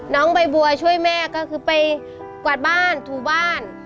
น้องใบบัวช่วยแม่ก็คือไปกวาดบ้านถูบ้าน